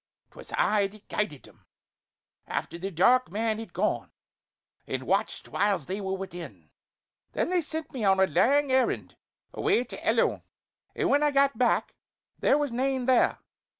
'Twas I that guided them, after the dark man had gone; and watched whiles they were within. Then they sent me on a lang errand away to Ellon; and when I got back there was nane there.